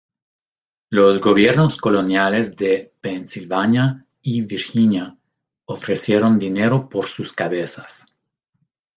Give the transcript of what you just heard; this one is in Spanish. Los gobiernos coloniales de Pensilvania y Virginia ofrecieron dinero por sus cabezas.